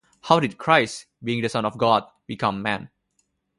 How did Christ, being the Son of God, become man?